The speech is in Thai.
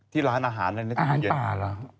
ที่ร้านอาหารอะไรอาหารป่าเหรอ